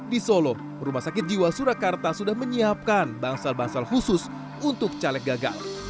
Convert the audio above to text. di solo rumah sakit jiwa surakarta sudah menyiapkan bangsal bangsal khusus untuk caleg gagal